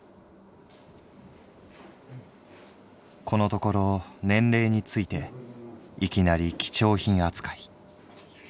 「このところ年齢についていきなり貴重品扱い」。